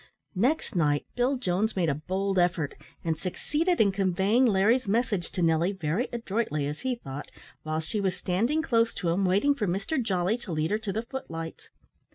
Next night Bill Jones made a bold effort, and succeeded in conveying Larry's message to Nelly, very adroitly, as he thought, while she was standing close to him waiting for Mr Jolly to lead her to the foot lights.